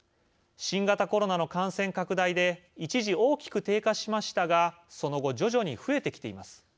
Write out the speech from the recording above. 新型コロナの感染拡大で一時、大きく低下しましたがその後、徐々に増えてきています。